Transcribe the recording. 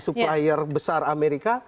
supplier besar amerika